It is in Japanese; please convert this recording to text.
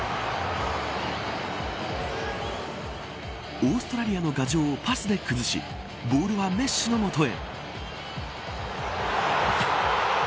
オーストラリアの牙城をパスで崩しボールはメッシの元へ。